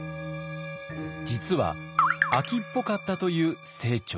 実は飽きっぽかったという清張。